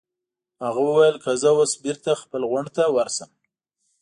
هغه وویل: که زه اوس بېرته خپل غونډ ته ورشم.